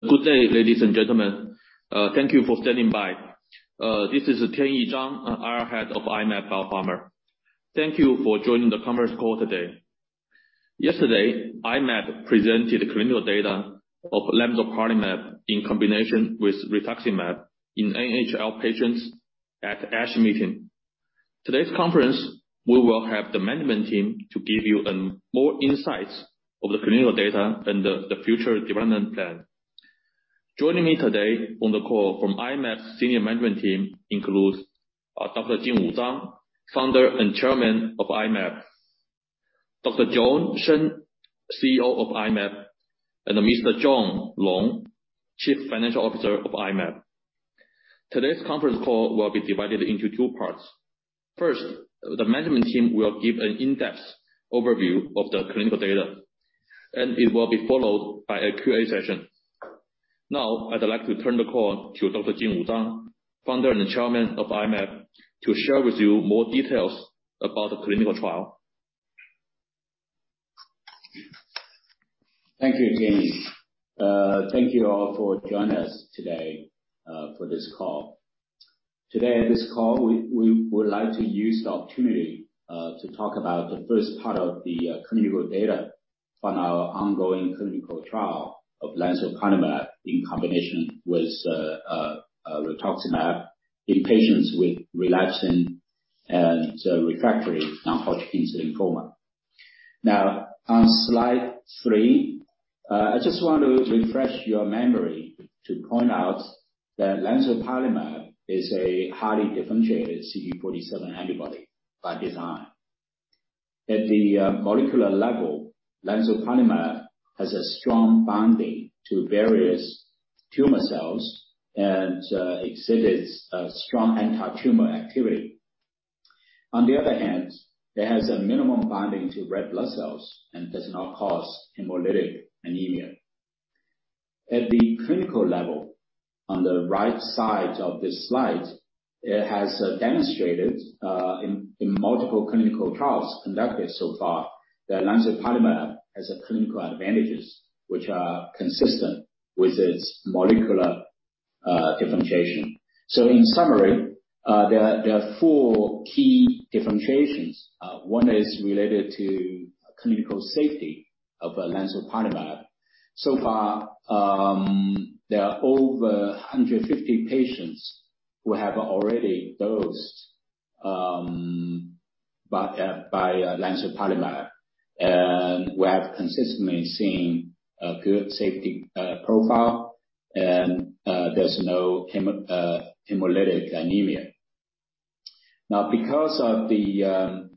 Good day, Ladies and Gentlemen. Thank you for standing by. This is Tianyi Zhang, IR Head of I-Mab Biopharma. Thank you for joining the conference call today. Yesterday, I-Mab presented clinical data of lemzoparlimab in combination with rituximab in NHL patients at ASH Meeting. Today's conference, we will have the management team to give you more insights of the clinical data and the future development plan. Joining me today on the call from I-Mab's senior management team includes Dr. Jingwu Zang, Founder and Chairman of I-Mab, Dr. Joan Shen, CEO of I-Mab, and Mr. John Long, Chief Financial Officer of I-Mab. Today's conference call will be divided into two parts. First, the management team will give an in-depth overview of the clinical data, and it will be followed by a Q&A session. Now, I'd like to turn the call to Dr. Jingwu Zang, Founder and Chairman of I-Mab, to share with you more details about the clinical trial. Thank you, Tianyi. Thank you all for joining us today, for this call. Today on this call, we would like to use the opportunity to talk about the first part of the clinical data on our ongoing clinical trial of lemzoparlimab in combination with rituximab in patients with relapsing and refractory non-Hodgkin's lymphoma. Now, on slide three, I just want to refresh your memory to point out that lemzoparlimab is a highly differentiated CD47 antibody by design. At the molecular level, lemzoparlimab has a strong binding to various tumor cells and exhibits a strong antitumor activity. On the other hand, it has a minimum binding to red blood cells and does not cause hemolytic anemia. At the clinical level, on the right side of this slide, it has demonstrated in multiple clinical trials conducted so far that lemzoparlimab has a clinical advantages, which are consistent with its molecular differentiation. In summary, there are four key differentiations. One is related to clinical safety of lemzoparlimab. So far, there are over 150 patients who have already dosed by lemzoparlimab and we have consistently seen a good safety profile and there's no hemolytic anemia. Now, because of the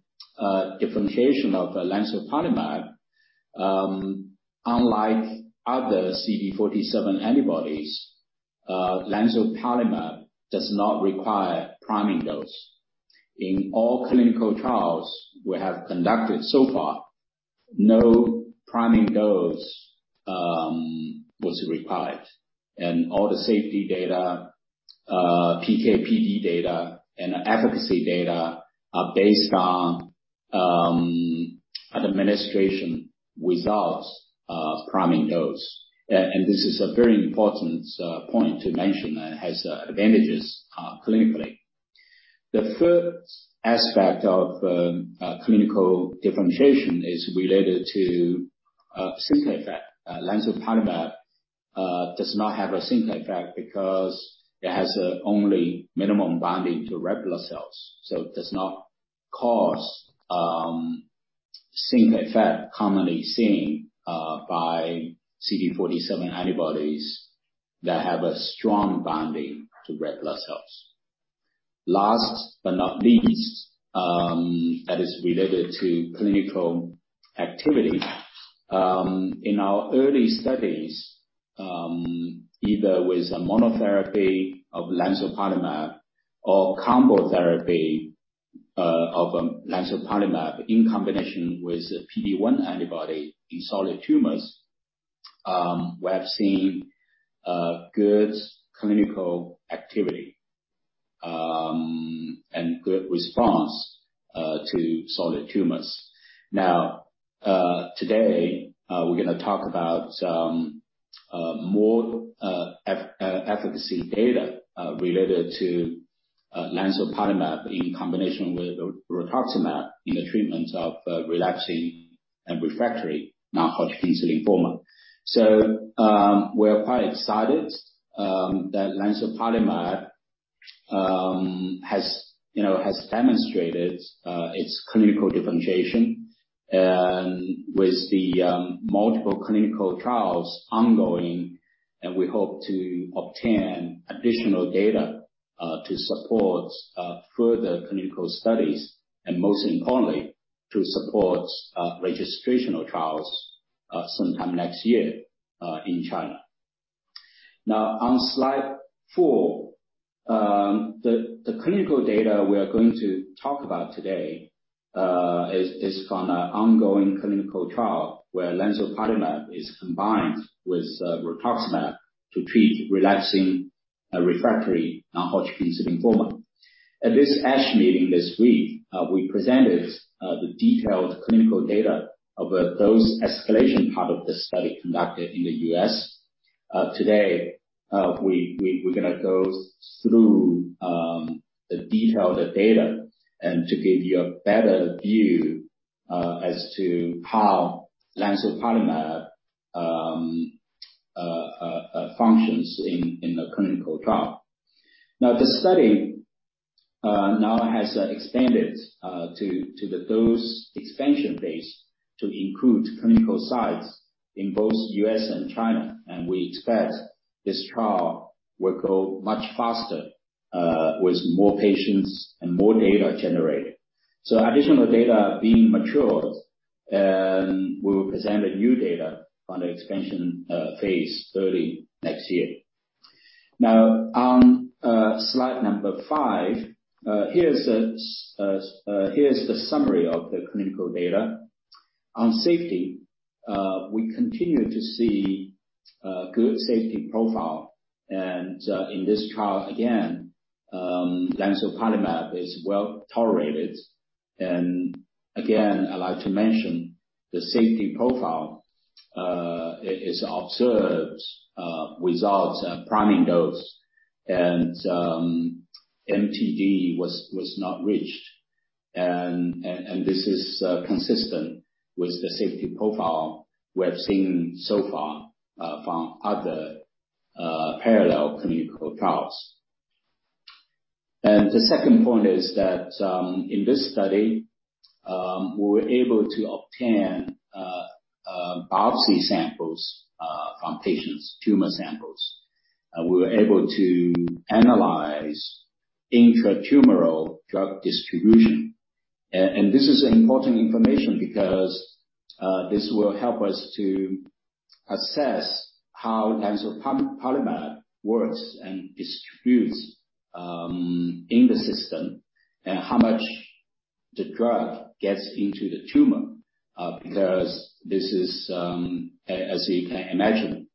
differentiation of the lemzoparlimab, unlike other CD47 antibodies, lemzoparlimab does not require priming dose. In all clinical trials we have conducted so far, no priming dose was required. All the safety data, PK/PD data, and efficacy data are based on administration without priming dose. This is a very important point to mention, that it has advantages clinically. The third aspect of clinical differentiation is related to antigen sink effect. lemzoparlimab does not have an antigen sink effect because it has only minimum binding to red blood cells, so it does not cause antigen sink effect commonly seen by CD47 antibodies that have a strong binding to red blood cells. Last but not least, that is related to clinical activity. In our early studies, either with a monotherapy of lemzoparlimab or combo therapy of lemzoparlimab in combination with a PD-1 antibody in solid tumors, we have seen good clinical activity and good response to solid tumors. Now, today, we're gonna talk about some more efficacy data related to lemzoparlimab in combination with rituximab in the treatment of relapsing and refractory non-Hodgkin's lymphoma. We're quite excited that lemzoparlimab has you know demonstrated its clinical differentiation, and with the multiple clinical trials ongoing, and we hope to obtain additional data to support further clinical studies, and most importantly, to support registrational trials sometime next year in China. Now, on slide four, the clinical data we are going to talk about today is from an ongoing clinical trial where lemzoparlimab is combined with rituximab to treat relapsing and refractory non-Hodgkin's lymphoma. At this ASH meeting this week, we presented the detailed clinical data of a dose escalation part of the study conducted in the U.S. Today, we're gonna go through the detailed data and to give you a better view as to how lemzoparlimab functions in the clinical trial. Now, the study now has expanded to the dose expansion phase to include clinical sites in both U.S. and China, and we expect this trial will go much faster with more patients and more data generated. Additional data being matured, and we'll present a new data on the expansion phase early next year. Now on slide number five, here's the summary of the clinical data. On safety, we continue to see good safety profile. In this trial again, lemzoparlimab is well-tolerated. I'd like to mention the safety profile observed results at priming dose and MTD was not reached. This is consistent with the safety profile we have seen so far from other parallel clinical trials. The second point is that in this study we were able to obtain biopsy samples from patients' tumor samples. We were able to analyze intratumoral drug distribution. This is important information because this will help us to assess how lemzoparlimab works and distributes in the system and how much the drug gets into the tumor because this is as you can imagine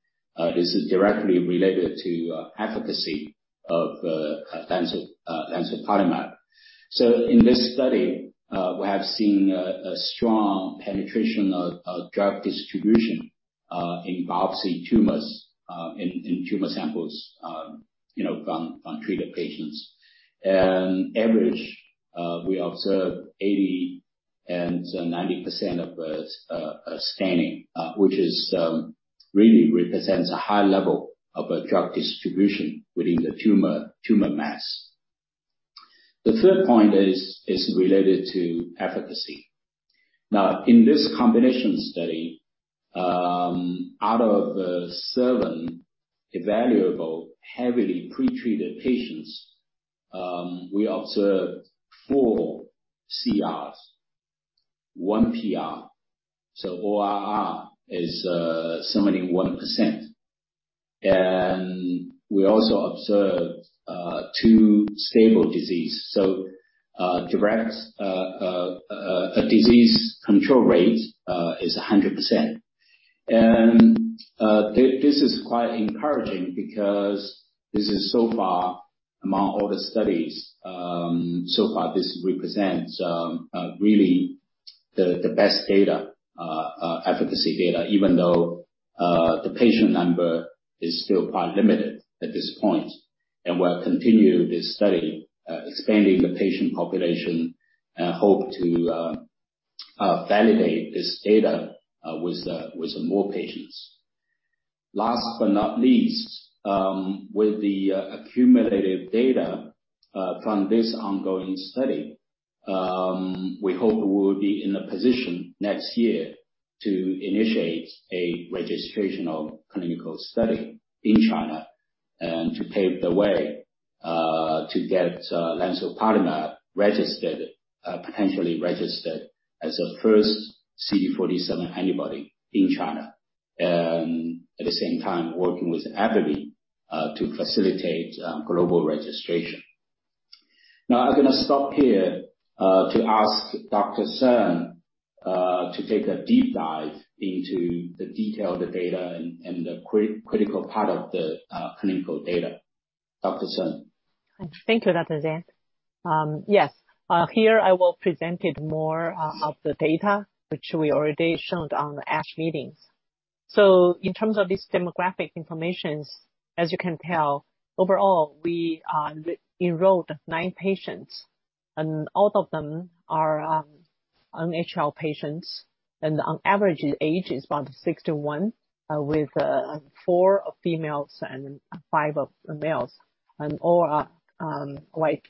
this is directly related to efficacy of lemzoparlimab. In this study, we have seen a strong penetration of drug distribution in biopsy tumors in tumor samples, you know, from treated patients. On average, we observed 80% and 90% of staining, which really represents a high level of drug distribution within the tumor mass. The third point is related to efficacy. Now, in this combination study, out of the seven evaluable heavily pretreated patients, we observed four CRs, one PR. ORR is 71%. We also observed two stable disease. Disease control rate is 100%. This is quite encouraging because this is so far among all the studies, so far this represents really the best efficacy data, even though the patient number is still quite limited at this point. We'll continue this study expanding the patient population and hope to validate this data with more patients. Last but not least, with the accumulated data from this ongoing study, we hope we'll be in a position next year to initiate a registrational clinical study in China and to pave the way to get lemzoparlimab registered, potentially registered as a first CD47 antibody in China. At the same time, working with AbbVie to facilitate global registration. Now, I'm gonna stop here to ask Dr. Shen, to take a deep dive into the detailed data and the critical part of the clinical data. Dr. Shen. Thank you, Dr. Zhang. Here I will present more of the data which we already showed on the ASH meetings. In terms of this demographic information, as you can tell, overall, we enrolled nine patients, and all of them are NHL patients. On average, the age is about 61, with four females and five males and all white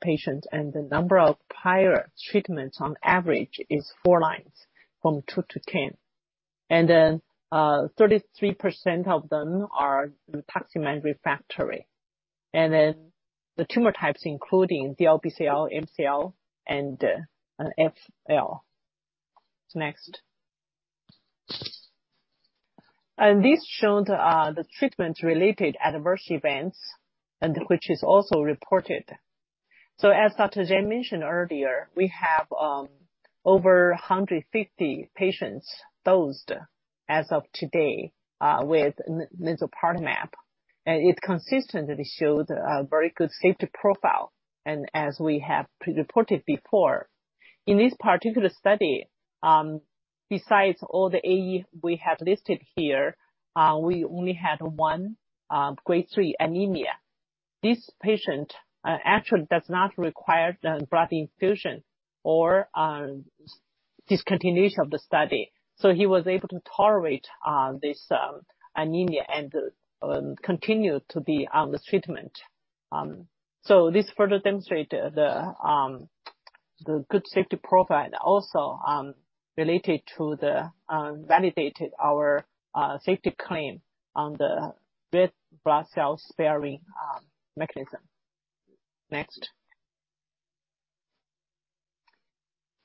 patients. The number of prior treatments on average is four lines, from 2-10. Then 33% of them are oxaliplatin refractory. The tumor types including DLBCL, MCL, and FL. This shows the treatment-related adverse events and which is also reported. As Dr. Zhang mentioned earlier, we have over 150 patients dosed as of today with lemzoparlimab, and it consistently showed a very good safety profile, and as we have reported before. In this particular study, besides all the AE we have listed here, we only had one grade three anemia. This patient actually does not require the blood transfusion or discontinuation of the study, so he was able to tolerate this anemia and continue to be on the treatment. This further demonstrates the good safety profile and also validates our safety claim on the red blood cell sparing mechanism. Next.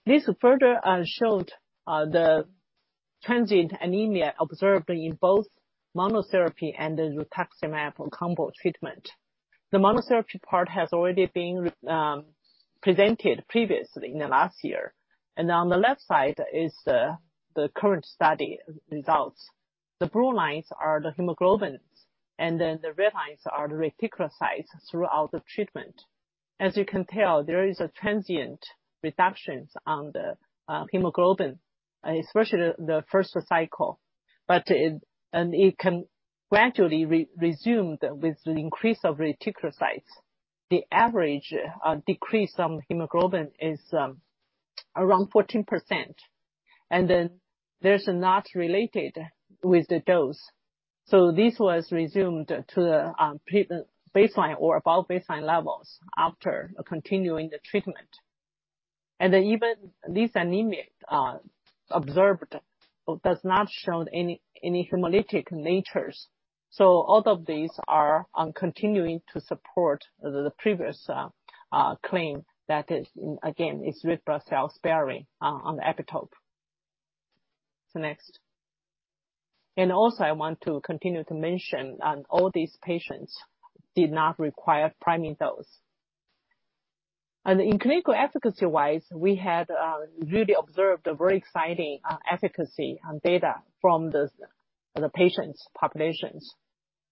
This further showed the transient anemia observed in both monotherapy and the rituximab combo treatment. The monotherapy part has already been presented previously in the last year, and on the left side is the current study results. The blue lines are the hemoglobins, and then the red lines are the reticulocytes throughout the treatment. As you can tell, there is a transient reductions on the hemoglobin, especially the first cycle. It can gradually resume with the increase of reticulocytes. The average decrease on hemoglobin is around 14%, and then it's not related with the dose. This was resumed to pre-baseline or above baseline levels after continuing the treatment. Even this anemia observed does not show any hemolytic natures. All of these are continuing to support the previous claim that is, again, it's red blood cell sparing on the epitope. Next. I want to continue to mention all these patients did not require priming dose. In clinical efficacy-wise, we had really observed a very exciting efficacy data from the patients populations.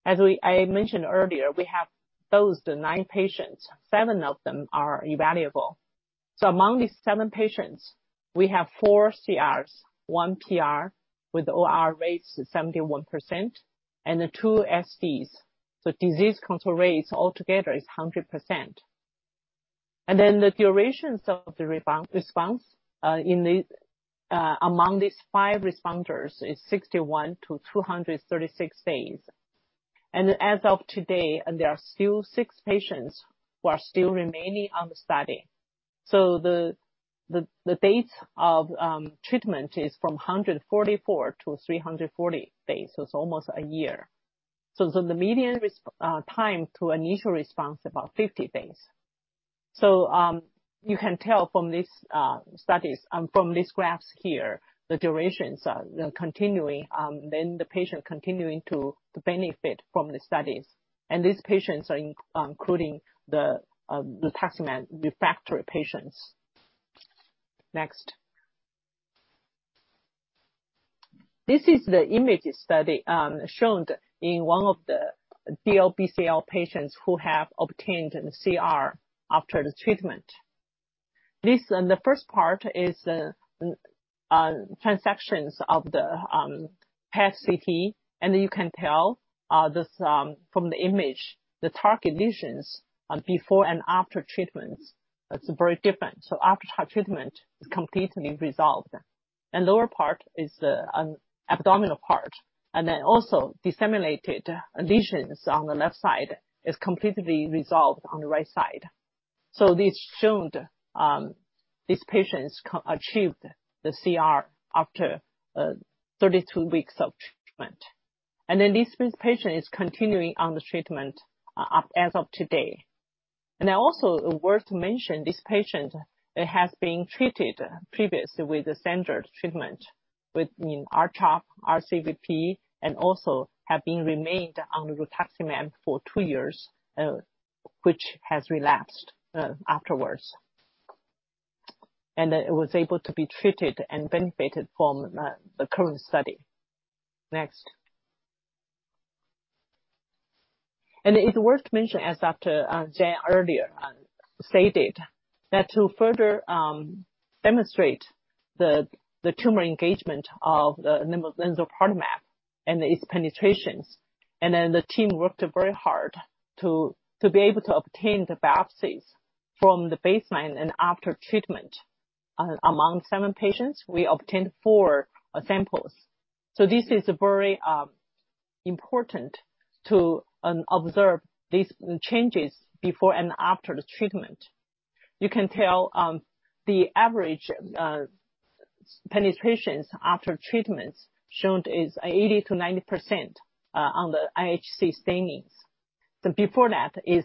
As I mentioned earlier, we have dosed nine patients. Seven of them are evaluable. Among these seven patients, we have four CRs, one PR, with ORR at 71%, and then two SDs. Disease control rates altogether is 100%. The durations of the response among these five responders is 61-236 days. As of today, there are still six patients who are still remaining on the study. The date of treatment is from 144-340 days, so it's almost a year. The median time to initial response, about 50 days. You can tell from these studies and from these graphs here, the durations are continuing, and the patient continuing to benefit from the studies. These patients are including the rituximab refractory patients. Next. This is the image study shown in one of the DLBCL patients who have obtained CR after the treatment. The first part is transverse sections of the PET/CT, and you can tell from the image, the target lesions before and after treatments, that's very different. After treatment, it completely resolved. Lower part is an abdominal part, and then also disseminated lesions on the left side is completely resolved on the right side. This showed this patient achieved the CR after 32 weeks of treatment. This patient is continuing on the treatment as of today. It is worth to mention this patient has been treated previously with the standard treatment with, you know, R-CHOP, RCVP, and also have been remained on rituximab for two years, which has relapsed afterwards. It was able to be treated and benefited from the current study. It is worth to mention, as Dr. Jingwu earlier stated, that to further demonstrate the tumor engagement of the lemzoparlimab and its penetration, the team worked very hard to be able to obtain the biopsies from the baseline and after treatment. Among seven patients, we obtained four samples. This is very important to observe these changes before and after the treatment. You can tell the average penetrations after treatments showed is 80%-90% on the IHC stainings. Before that is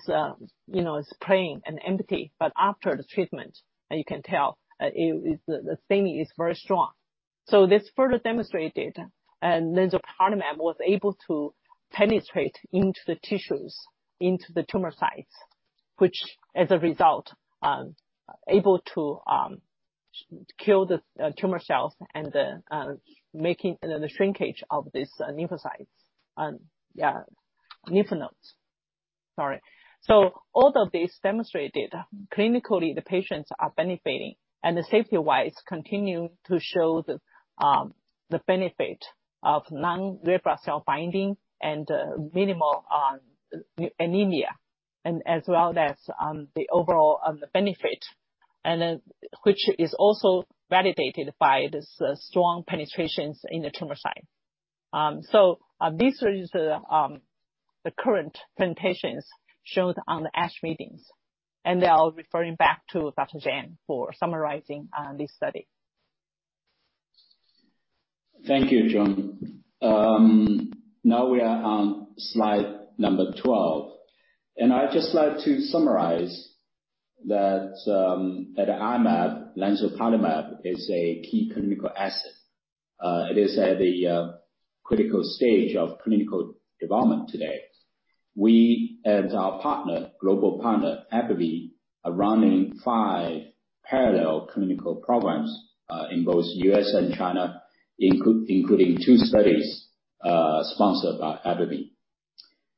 you know plain and empty, but after the treatment, you can tell the staining is very strong. This further demonstrated lemzoparlimab was able to penetrate into the tissues, into the tumor sites, which as a result able to kill the tumor cells and the making another shrinkage of these lymphocytes. Yeah, lymph nodes. Sorry. All of these demonstrated clinically the patients are benefiting and the safety-wise continue to show the benefit of non-RBC binding and minimal anemia and as well as the overall benefit, and then which is also validated by this strong penetrations in the tumor site. This is the current presentations showed on the ASH meetings, and now referring back to Dr. Zhang for summarizing this study. Thank you, Joan. Now we are on slide number 12, and I'd just like to summarize that the I-Mab lemzoparlimab is a key clinical asset. It is at the critical stage of clinical development today. We and our partner, global partner, AbbVie, are running five parallel clinical programs in both U.S. and China, including two studies sponsored by AbbVie.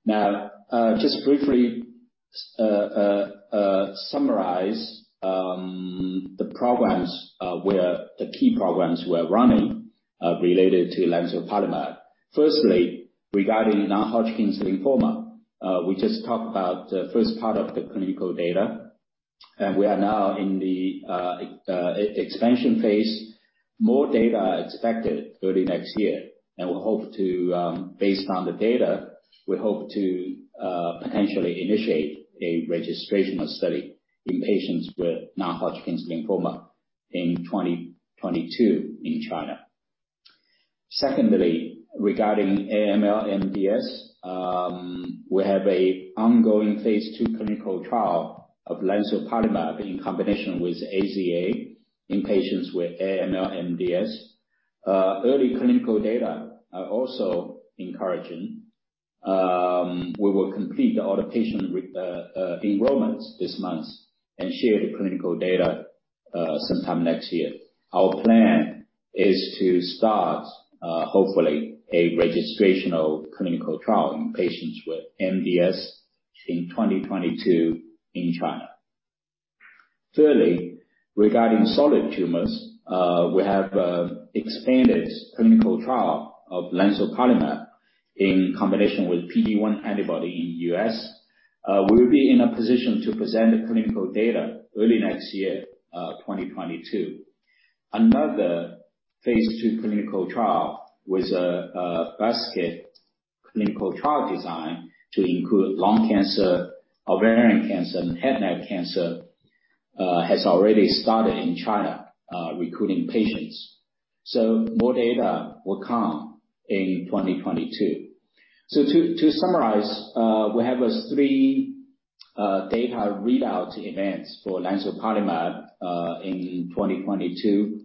Now just briefly summarize the key programs we're running related to lemzoparlimab. Firstly, regarding non-Hodgkin's lymphoma, we just talked about the first part of the clinical data, and we are now in the expansion phase. More data expected early next year, and we hope to, based on the data, potentially initiate a registrational study in patients with non-Hodgkin's lymphoma in 2022 in China. Secondly, regarding AML MDS, we have an ongoing phase II clinical trial of lemzoparlimab in combination with AZA in patients with AML MDS. Early clinical data are also encouraging. We will complete all the patient enrollments this month and share the clinical data sometime next year. Our plan is to start hopefully a registrational clinical trial in patients with MDS in 2022 in China. Thirdly, regarding solid tumors, we have an expanded clinical trial of lemzoparlimab in combination with PD-1 antibody in U.S. We'll be in a position to present the clinical data early next year, 2022. Another phase II clinical trial with a basket clinical trial design to include lung cancer, ovarian cancer, and head and neck cancer has already started in China recruiting patients. More data will come in 2022. To summarize, we have three data readout events for lemzoparlimab in 2022.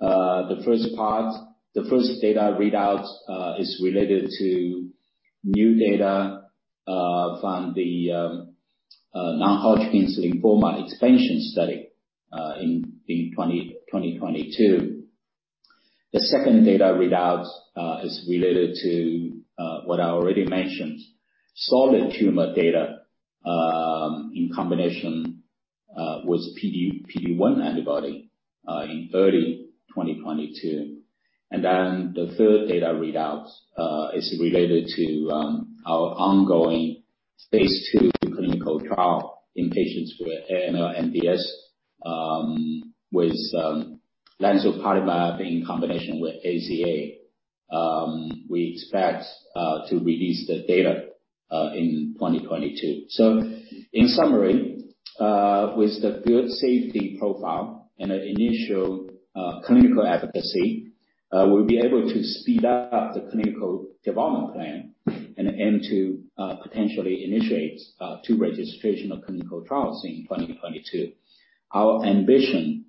The first data readouts is related to new data from the non-Hodgkin's lymphoma expansion study in 2022. The second data readouts is related to what I already mentioned, solid tumor data in combination with PD-1 antibody in early 2022. The third data readouts is related to our ongoing phase II clinical trial in patients with AML MDS with lemzoparlimab in combination with AZA. We expect to release the data in 2022. In summary, with the good safety profile and the initial clinical advocacy, we'll be able to speed up the clinical development plan and aim to potentially initiate two registrational clinical trials in 2022. Our ambition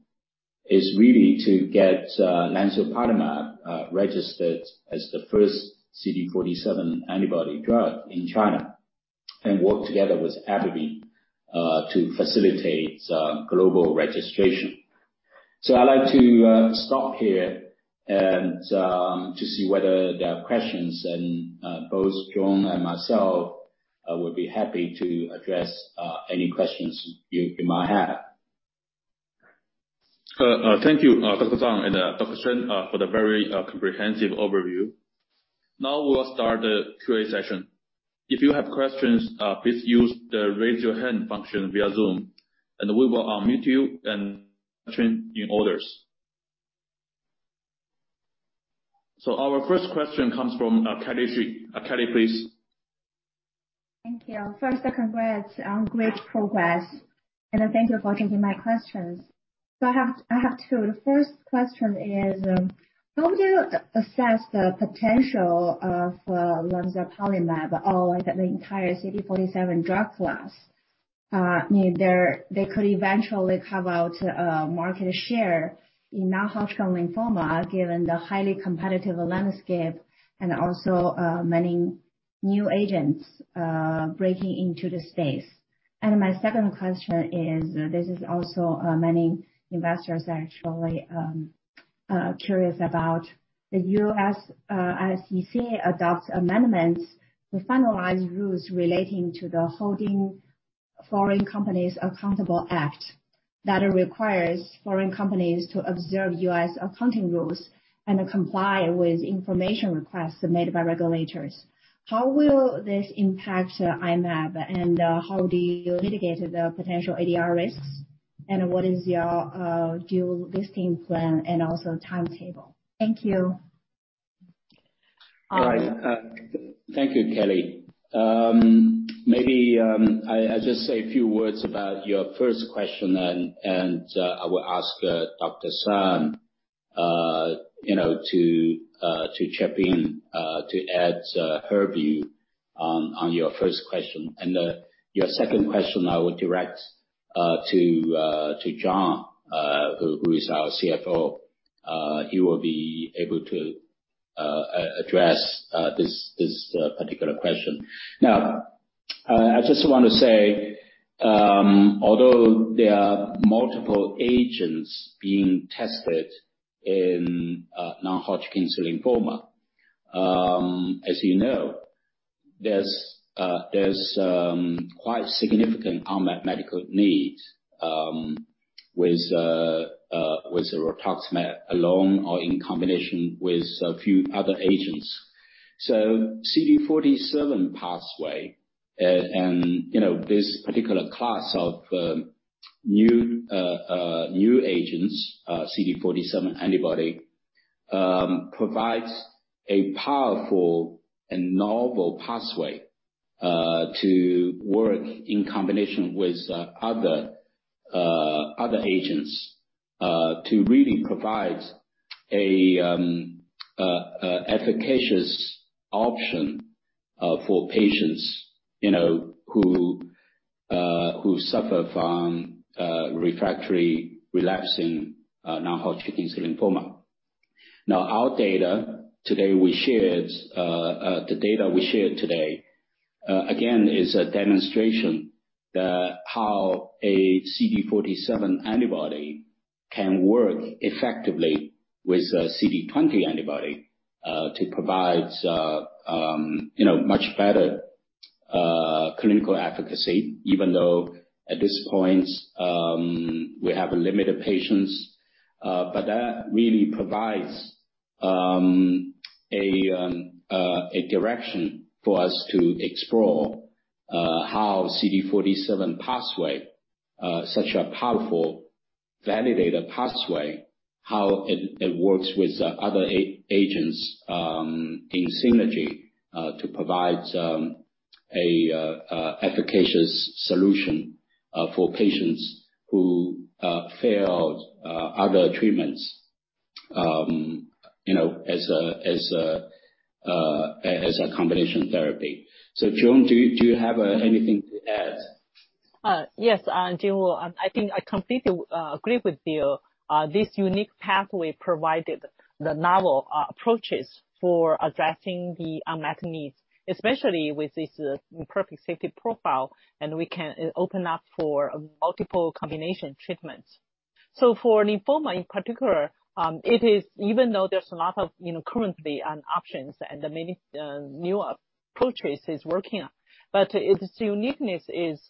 is really to get lemzoparlimab registered as the first CD47 antibody drug in China and work together with AbbVie to facilitate global registration. I'd like to stop here and to see whether there are questions and both Joan and myself would be happy to address any questions you might have. Thank you, Dr. Zhang and Dr. Shen, for the very comprehensive overview. Now we'll start the Q&A session. If you have questions, please use the Raise Your Hand function via Zoom, and we will unmute you and take questions in order. Our first question comes from Kelly Shi. Kelly, please. Thank you. First, congrats on great progress and thank you for taking my questions. I have two. The first question is, how would you assess the potential of lemzoparlimab or like the entire CD47 drug class? They could eventually carve out a market share in non-Hodgkin's lymphoma, given the highly competitive landscape and also many new agents breaking into the space. My second question is, this is also many investors are actually curious about the U.S. SEC adopts amendments to finalize rules relating to the Holding Foreign Companies Accountable Act, that requires foreign companies to observe U.S. accounting rules and comply with information requests made by regulators. How will this impact the I-Mab? How do you mitigate the potential ADR risks? What is your dual listing plan and also timetable? Thank you. All right. Thank you, Kelly. Maybe I just say a few words about your first question and I will ask Dr. Shen, you know, to chip in to add her view on your first question. Your second question I will direct to John who is our CFO. He will be able to address this particular question. Now I just want to say although there are multiple agents being tested in non-Hodgkin's lymphoma, as you know, there's quite significant unmet medical needs with rituximab alone or in combination with a few other agents. CD47 pathway, and, you know, this particular class of new agents, CD47 antibody, provides a powerful and novel pathway to work in combination with other agents to really provide an efficacious option for patients, you know, who suffer from refractory relapsing non-Hodgkin's lymphoma. Now, the data we shared today, again, is a demonstration that how a CD47 antibody can work effectively with a CD20 antibody to provide, you know, much better clinical efficacy, even though at this point, we have limited patients. That really provides a direction for us to explore how CD47 pathway such a powerful validated pathway how it works with other agents in synergy to provide a efficacious solution for patients who failed other treatments you know as a combination therapy. Joan do you have anything to add? Yes, Jingwu, I think I completely agree with you. This unique pathway provided the novel approaches for addressing the unmet needs, especially with this perfect safety profile, and we can open up for multiple combination treatments. For lymphoma in particular, it is even though there's a lot of, you know, currently, options and many new approaches is working on, but its uniqueness is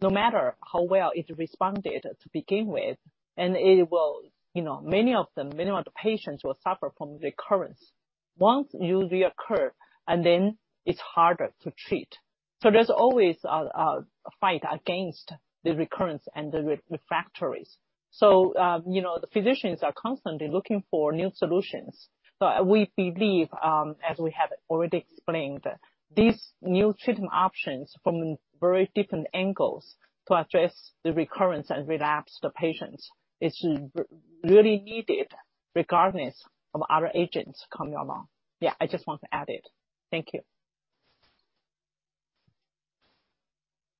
no matter how well it responded to begin with, and it will, you know, many of the patients will suffer from recurrence. Once you recur and then it's harder to treat. There's always a fight against the recurrence and the refractories. You know, the physicians are constantly looking for new solutions. We believe, as we have already explained, these new treatment options from very different angles to address the recurrence and relapse the patients, it's really needed regardless of other agents coming along. Yeah, I just want to add it. Thank you.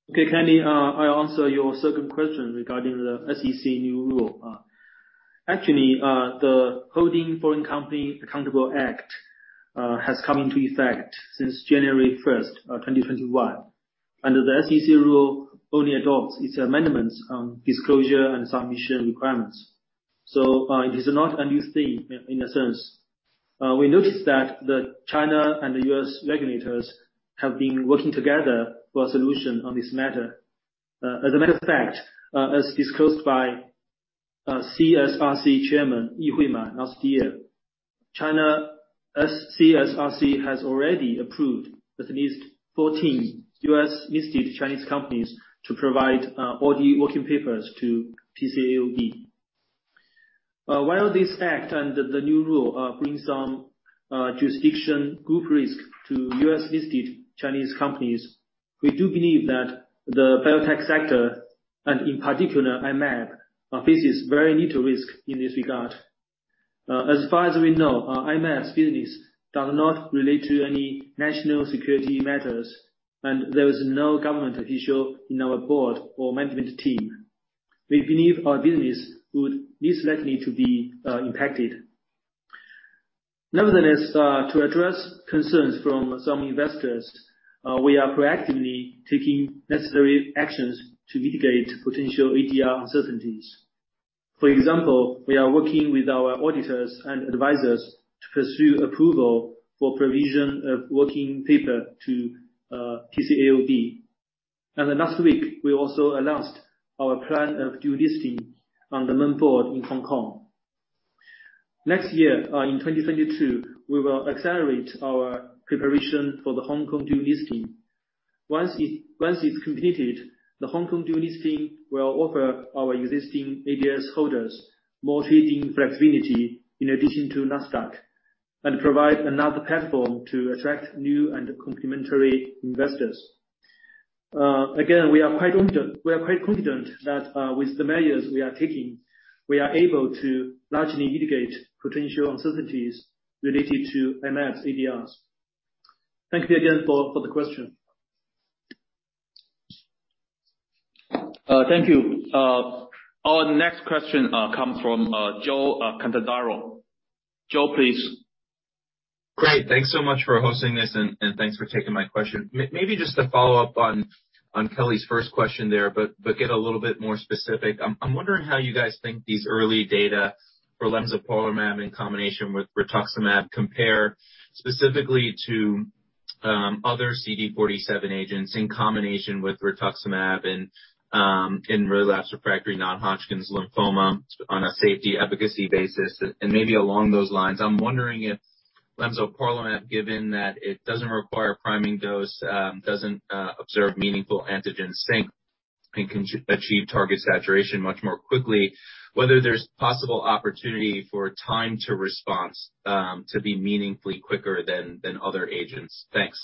Okay, Kelly, I'll answer your second question regarding the SEC new rule. Actually, the Holding Foreign Companies Accountable Act has come into effect since January 1st, 2021. Under the SEC rule, it only adopts its amendments on disclosure and submission requirements. It is not a new thing in a sense. We noticed that the China and the U.S. regulators have been working together for a solution on this matter. As a matter of fact, as discussed by CSRC Chairman Yi Huiman last year, China's CSRC has already approved at least 14 U.S.-listed Chinese companies to provide all the working papers to PCAOB. While this act and the new rule brings some jurisdictional risk to U.S.-listed Chinese companies, we do believe that the biotech sector, and in particular I-Mab, faces very little risk in this regard. As far as we know, our I-Mab business does not relate to any national security matters, and there is no government official in our board or management team. We believe our business would least likely to be impacted. Nevertheless, to address concerns from some investors, we are proactively taking necessary actions to mitigate potential ADR uncertainties. For example, we are working with our auditors and advisors to pursue approval for provision of working paper to PCAOB. Last week, we also announced our plan of dual listing on the main board in Hong Kong. Next year, in 2022, we will accelerate our preparation for the Hong Kong dual listing. Once it's completed, the Hong Kong dual listing will offer our existing ADS holders more trading flexibility in addition to Nasdaq, and provide another platform to attract new and complementary investors. Again, we are quite confident that with the measures we are taking, we are able to largely mitigate potential uncertainties related to IMAB ADSs. Thank you again for the question. Thank you. Our next question comes from Joe Cantadaro. Joe, please. Great. Thanks so much for hosting this and thanks for taking my question. Maybe just to follow up on Kelly's first question there, but get a little bit more specific. I'm wondering how you guys think these early data for lemzoparlimab in combination with rituximab compare specifically to other CD47 agents in combination with rituximab and in relapsed refractory non-Hodgkin's lymphoma on a safety efficacy basis. Maybe along those lines, I'm wondering if lemzoparlimab, given that it doesn't require priming dose, doesn't observe meaningful antigen sink effect, and can achieve target saturation much more quickly, whether there's possible opportunity for time to response to be meaningfully quicker than other agents. Thanks.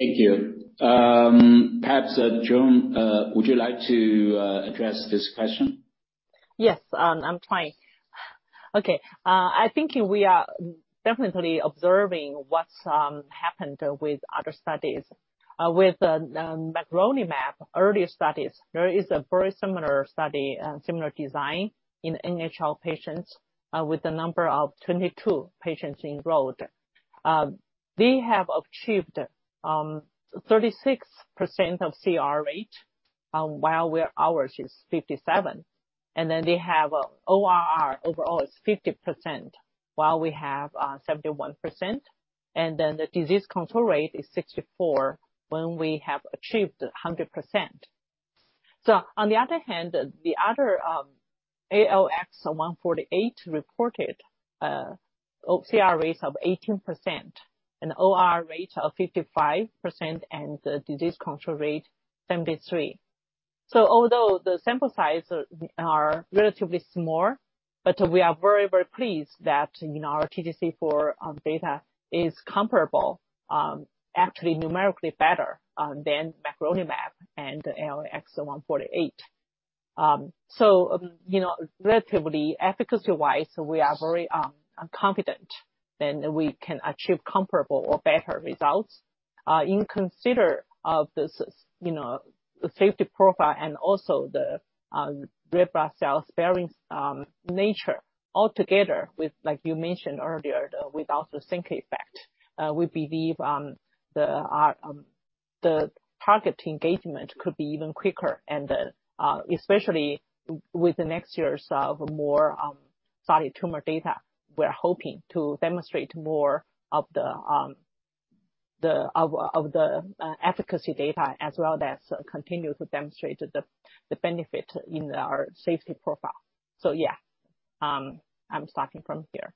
Thank you. Perhaps, Joan, would you like to address this question? Yes. I'm trying. Okay. I think we are definitely observing what's happened with other studies with magrolimab earlier studies. There is a very similar study similar design in NHL patients with 22 patients enrolled. We have achieved 36% of CR rate while ours is 57%. They have ORR overall is 50% while we have 71%. The disease control rate is 64% when we have achieved 100%. On the other hand the other ALX148 reported CR rates of 18% and ORR of 55% and the disease control rate 73%. Although the sample size are relatively small, but we are very, very pleased that, you know, our TJC4 data is comparable, actually numerically better, than magrolimab and ALX148. You know, relative efficacy-wise, we are very confident and we can achieve comparable or better results. In consideration of this, you know, safety profile and also the red blood cell sparing nature altogether with, like you mentioned earlier, without the sink effect, we believe our target engagement could be even quicker. Especially with the next years of more solid tumor data, we're hoping to demonstrate more of the efficacy data as well that continue to demonstrate the benefit in our safety profile. Yeah, I'm starting from here.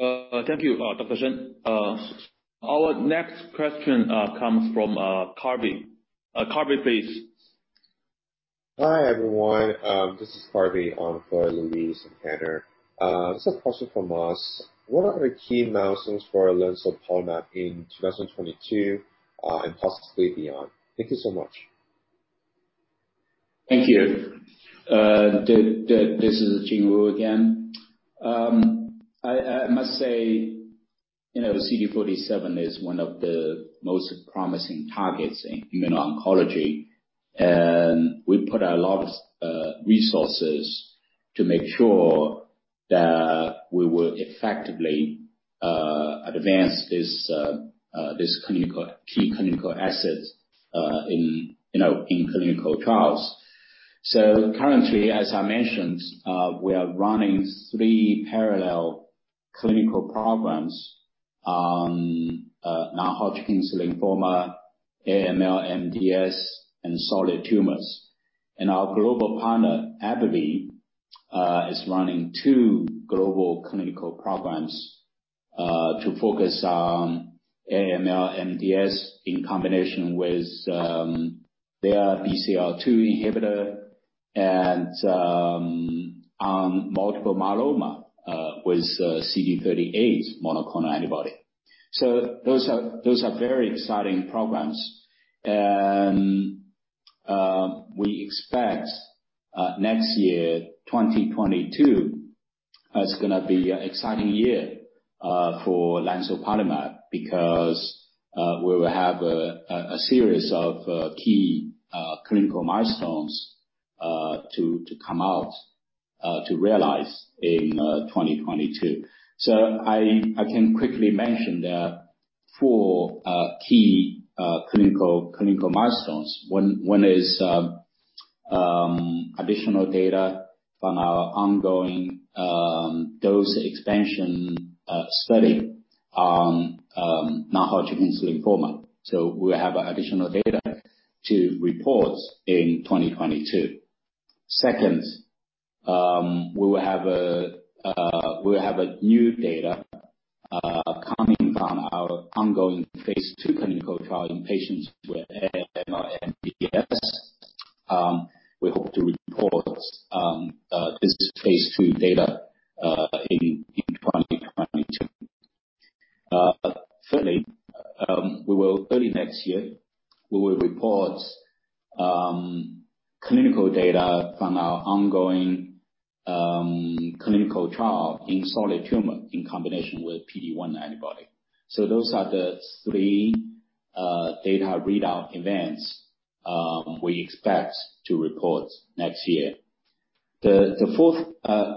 Thank you, Dr. Shen. Our next question comes from Carby. Carby, please. Hi, everyone. This is Carby on for Louise and Tanner. This is a question from us. What are the key milestones for lemzoparlimab in 2022, and possibly beyond? Thank you so much. Thank you. This is Jingwu Zhang again. I must say, you know, CD47 is one of the most promising targets in immuno-oncology, and we put a lot of resources to make sure that we will effectively advance this key clinical asset in clinical trials. Currently, as I mentioned, we are running three parallel clinical programs, non-Hodgkin's lymphoma, AML, MDS, and solid tumors. Our global partner, AbbVie, is running two global clinical programs to focus on AML, MDS in combination with their BCL-2 inhibitor and On multiple myeloma with CD38 monoclonal antibody. Those are very exciting programs. We expect next year, 2022, is going to be an exciting year for lemzoparlimab because we will have a series of key clinical milestones to come out to realize in 2022. I can quickly mention the four key clinical milestones. One is additional data from our ongoing dose expansion study on non-Hodgkin's lymphoma. We'll have additional data to report in 2022. Second, we will have new data coming from our ongoing phase II clinical trial in patients with HR-MDS. We hope to report this phase II data in 2022. Thirdly, we will report, early next year, clinical data from our ongoing clinical trial in solid tumor in combination with PD-1 antibody. Those are the three data readout events we expect to report next year. The fourth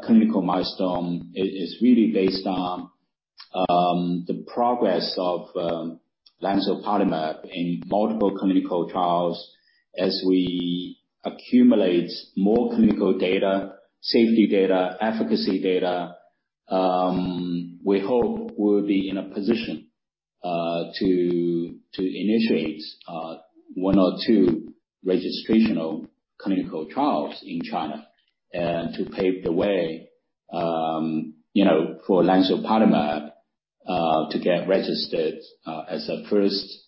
clinical milestone is really based on the progress of lemzoparlimab in multiple clinical trials. As we accumulate more clinical data, safety data, efficacy data, we hope we'll be in a position to initiate one or two registrational clinical trials in China to pave the way, you know, for lemzoparlimab to get registered as the first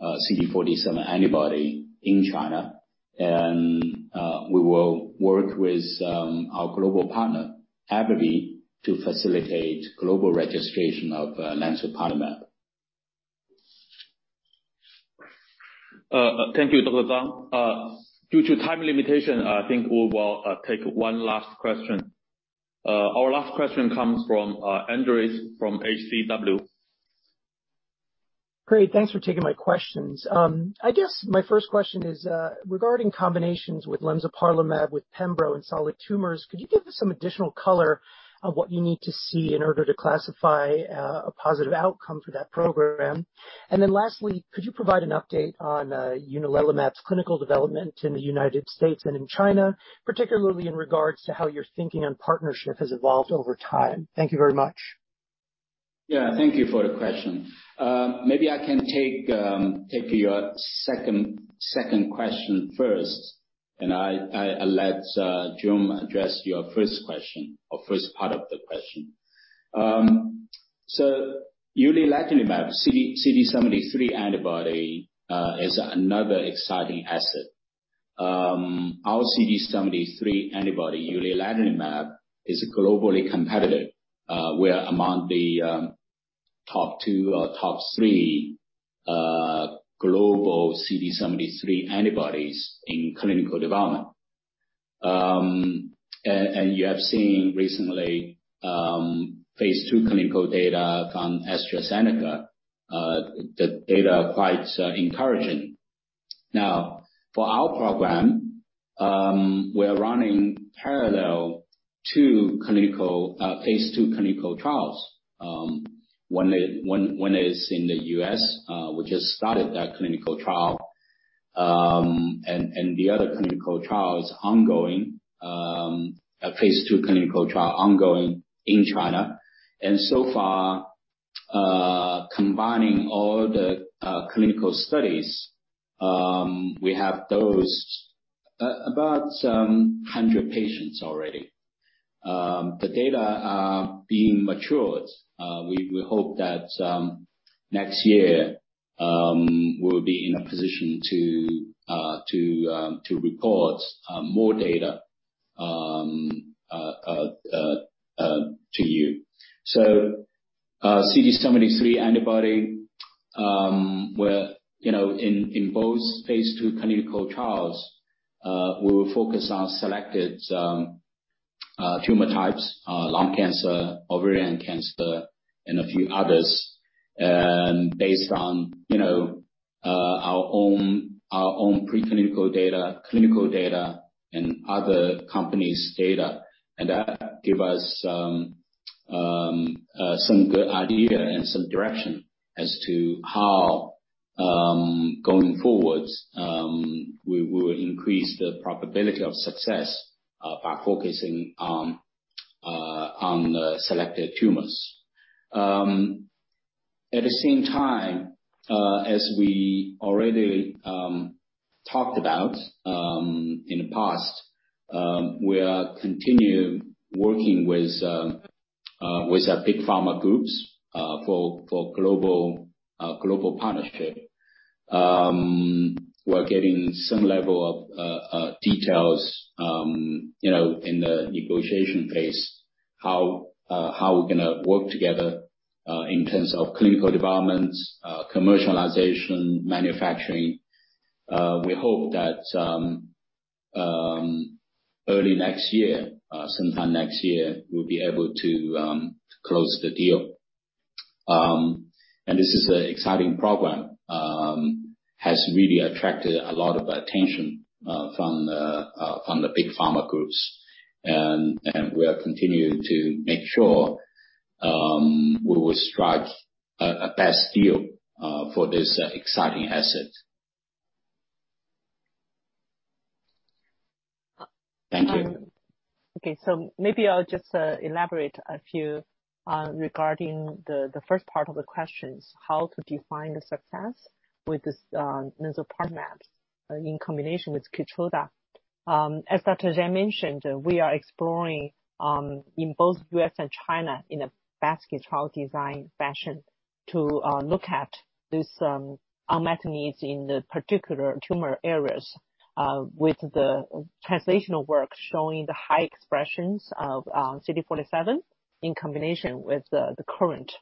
CD47 antibody in China. We will work with our global partner, AbbVie, to facilitate global registration of lemzoparlimab. Thank you, Dr. Zhang. Due to time limitation, I think we will take one last question. Our last question comes from Andres Maldonado from H.C. Wainwright. Great. Thanks for taking my questions. I guess my first question is, regarding combinations with lemzoparlimab with pembrolizumab in solid tumors. Could you give us some additional color on what you need to see in order to classify a positive outcome for that program? Lastly, could you provide an update on, uliledlimab's clinical development in the United States and in China, particularly in regards to how your thinking on partnership has evolved over time? Thank you very much. Yeah, thank you for the question. Maybe I can take your second question first, and I let Joan address your first question or first part of the question. So uliledlimab CD73 antibody is another exciting asset. Our CD73 antibody uliledlimab is globally competitive. We are among the top two or top three global CD73 antibodies in clinical development. And you have seen recently phase II clinical data from AstraZeneca. The data are quite encouraging. Now, for our program, we're running parallel two clinical phase II clinical trials. One is in the U.S., we just started that clinical trial. The other clinical trial is ongoing, a phase II clinical trial ongoing in China. So far, combining all the clinical studies, we have dosed about 100 patients already. The data are being matured. We hope that next year we'll be in a position to report more data to you. CD73 antibody, where you know in both phase II clinical trials, we will focus on selected tumor types, lung cancer, ovarian cancer, and a few others. Based on you know our own preclinical data, clinical data and other companies' data, and that give us some good idea and some direction as to how going forward we will increase the probability of success by focusing on the selected tumors. At the same time, as we already talked about in the past, we are continuing working with our big pharma groups for global partnership. We're getting some level of details, you know, in the negotiation phase, how we're gonna work together in terms of clinical developments, commercialization, manufacturing. We hope that early next year, sometime next year, we'll be able to close the deal. This is an exciting program, has really attracted a lot of attention from the big pharma groups. We are continuing to make sure we will strike a best deal for this exciting asset. Thank you. Okay, maybe I'll just elaborate a few regarding the first part of the questions, how to define the success with this lemzoparlimab in combination with Keytruda. As Dr. Zhang mentioned, we are exploring in both U.S. and China in a basket trial design fashion to look at this unmet needs in the particular tumor areas with the translational work showing the high expressions of CD47 in combination with the current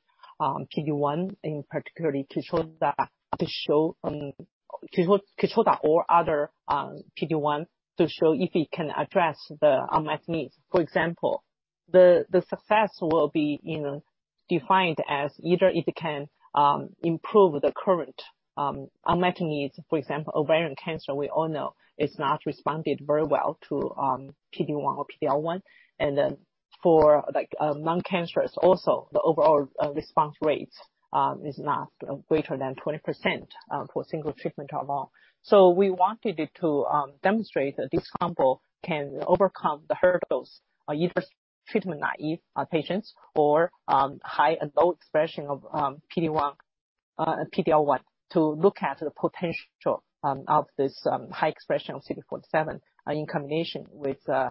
PD-1, in particularly Keytruda, to show Keytruda or other PD-1 if it can address the unmet needs. For example, the success will be, you know, defined as either it can improve the current unmet needs, for example, ovarian cancer we all know is not responded very well to PD-1 or PD-L1. For like lung cancers also, the overall response rate is not greater than 20%, for single treatment arm. We wanted it to demonstrate this combo can overcome the hurdles, either treatment naive patients or high and low expression of PD-1, PD-L1 to look at the potential of this high expression of CD47 in combination with the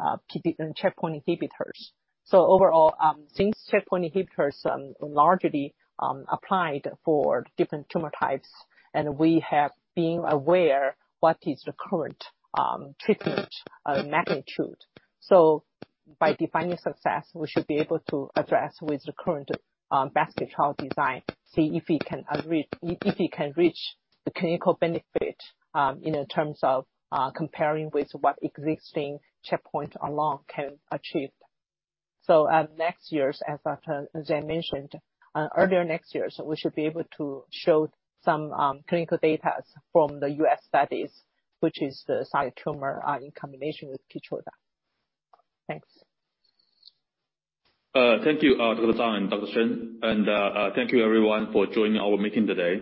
PD checkpoint inhibitors. Overall, since checkpoint inhibitors largely applied for different tumor types, and we have been aware what is the current treatment magnitude. By defining success, we should be able to address with the current basket trial design, see if it can reach the clinical benefit, in terms of comparing with what existing checkpoint alone can achieve. Next year, as Dr. Zhang mentioned, earlier next year, we should be able to show some clinical data from the U.S. studies, which is the solid tumor, in combination with Keytruda. Thanks. Thank you, Dr. Zhang and Dr. Shen. Thank you everyone for joining our meeting today.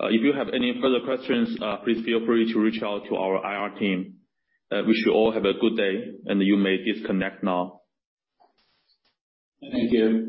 If you have any further questions, please feel free to reach out to our IR team. I wish you all a good day, and you may disconnect now. Thank you.